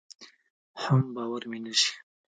حم باور مې نشي.